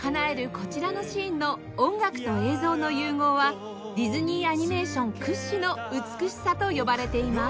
こちらのシーンの音楽と映像の融合はディズニーアニメーション屈指の美しさと呼ばれています